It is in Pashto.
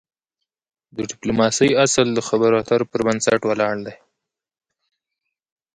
د د ډيپلوماسی اصل د خبرو اترو پر بنسټ ولاړ دی.